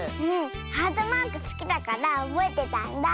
ハートマークすきだからおぼえてたんだあ。